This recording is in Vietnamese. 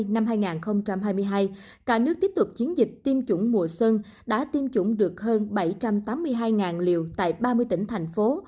năm hai nghìn hai mươi hai cả nước tiếp tục chiến dịch tiêm chủng mùa xuân đã tiêm chủng được hơn bảy trăm tám mươi hai liều tại ba mươi tỉnh thành phố